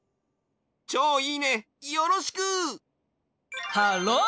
チョウいいねよろしく！ハロー！